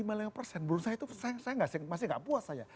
menurut saya itu saya masih tidak puas saya